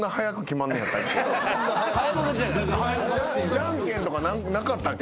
じゃんけんとかなかったっけ？